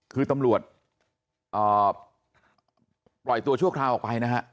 คือตำรวจปล่อยตัวชั่วคราวออกไปนะฮะ